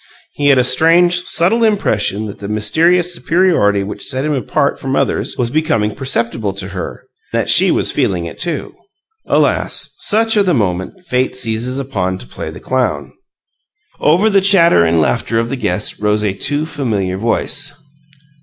He had a strange, subtle impression that the mysterious superiority which set him apart from others was becoming perceptible to her that she was feeling it, too. Alas! Such are the moments Fate seizes upon to play the clown! Over the chatter and laughter of the guests rose a too familiar voice.